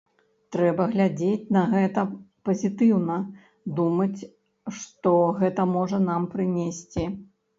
Трэба глядзець на гэта пазітыўна, думаць, што гэта можа нам прынесці.